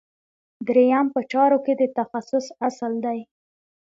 دریم په چارو کې د تخصص اصل دی.